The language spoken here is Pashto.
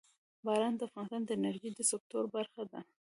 باران د افغانستان د انرژۍ د سکتور برخه ده.